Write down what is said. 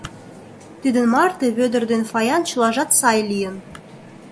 Тидын марте Вӧдыр ден Фаян чылажат сай лийын.